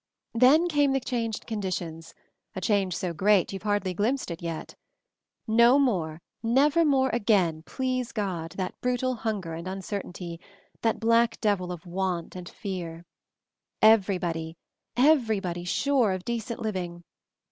"Then came the change in conditions, a change so great youVe hardly glimpsed it yet. No more, never more again, please God, that brutal hunger and uncertainty, that black devil of want and fear. Every body — everybody — sure of decent living!